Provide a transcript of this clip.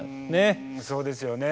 そうですよね。